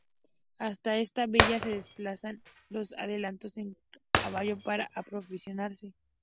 Hasta esta villa se desplazaban los aldeanos en caballo para aprovisionarse.